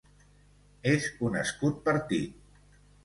És un escut partit.